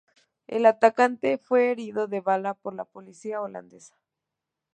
El atacante fue herido de bala por la policía holandesa.